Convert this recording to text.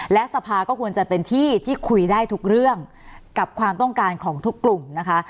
และสภาก็ควรจะเป็นที่ที่คุยได้ทุกเรื่องกับความต้องการของทุกกลุ่มนะคะ